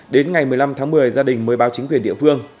đến ngày một mươi năm tháng một mươi gia đình mới báo chính quyền địa phương